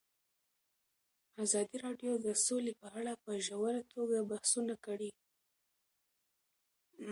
ازادي راډیو د سوله په اړه په ژوره توګه بحثونه کړي.